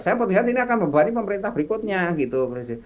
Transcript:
saya melihat ini akan membebani pemerintah berikutnya gitu presiden